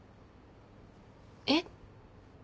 えっ？